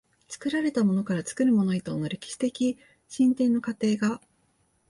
作られたものから作るものへとの歴史的進展の過程が、